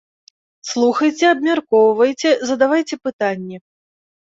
Слухайце, абмяркоўвайце, задавайце пытанні!